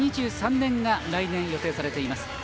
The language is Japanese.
２０２３年が来年、予定されています。